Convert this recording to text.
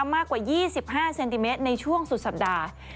มากกว่า๒๕เซนติเมตรในช่วงสุดสัปดาห์